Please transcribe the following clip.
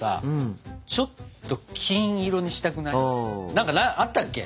何かあったけ？